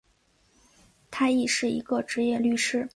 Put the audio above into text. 他亦是一个执业律师。